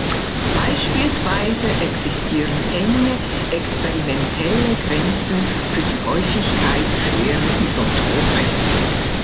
Beispielsweise existieren enge experimentelle Grenzen für die Häufigkeit schwerer Isotope.